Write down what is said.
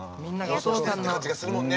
放送してるって感じがするもんね。